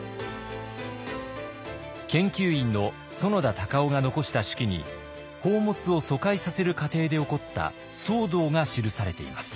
研究員の園田敬男が残した手記に宝物を疎開させる過程で起こった騒動が記されています。